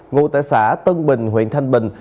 ngô tại xã tân bình huyện thanh bình